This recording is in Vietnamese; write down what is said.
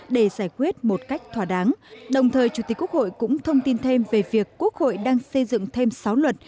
để giải quyết một cách thỏa đáng đồng thời chủ tịch quốc hội cũng thông tin thêm về việc quốc hội đang xây dựng thêm sáu luật